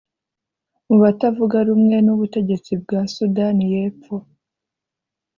mu batavuga rumwe n’ ubutegetsi bwa sudani yepfo